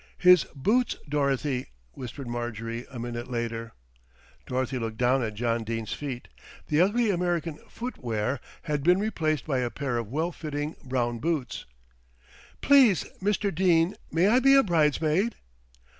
"His boots, Dorothy," whispered Marjorie a minute later. Dorothy looked down at John Dene's feet. The ugly American "footwear" had been replaced by a pair of well fitting brown boots. "Please, Mr. Dene, may I be a bridesmaid?"